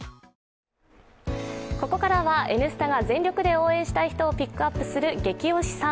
ここからは「Ｎスタ」が全力で応援したい人をピックアップするゲキ推しさん。